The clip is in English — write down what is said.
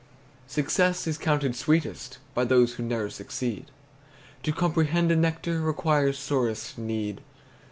] Success is counted sweetest By those who ne'er succeed. To comprehend a nectar Requires sorest need.